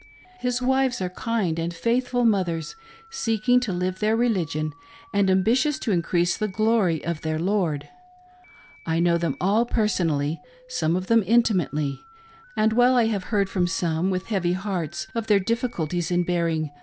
His wives are kind and faithful mothers, seeking to live their religion and ambitious to increase the glory of their Lord. I know them all personally— some of them inti mately ; and, while I have heard from some, with heavy hearts, of their difficulties in bearing